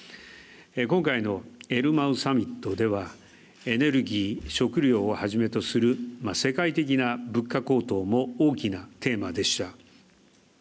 今回のエルマウサミットではエネルギー、食料をはじめとする世界的な物価高騰も大きなテーマでした。